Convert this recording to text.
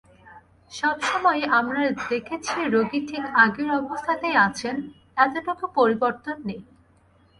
সব সময়েই আমরা দেখেছি রোগী ঠিক আগের অবস্থাতেই আছেন, এতটুকু পরিবর্তন নেই।